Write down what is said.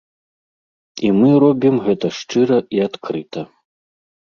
І мы робім гэта шчыра і адкрыта.